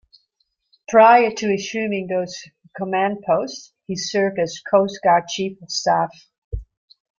Prior to assuming those command posts, he served as Coast Guard Chief of Staff.